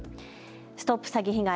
ＳＴＯＰ詐欺被害！